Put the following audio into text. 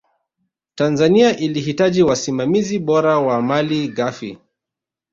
tanzania ilihitaji wasimamizi bora wa mali ghafi